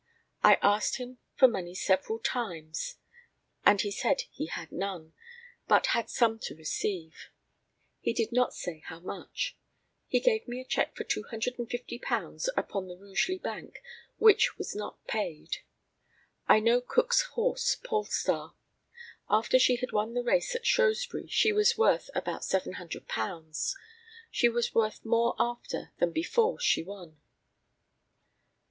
I asked him for money several times, and he said he had none, but had some to receive. He did not say how much. He gave me a cheque for £250 upon the Rugeley bank, which was not paid. I know Cook's horse Polestar. After she had won the race at Shrewsbury she was worth about £700. She was worth more after than before she won.